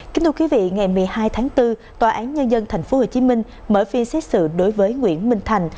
kính thưa quý vị ngày một mươi hai tháng bốn tòa án nhân dân tp hcm mở phiên xét xử đối với nguyễn minh thành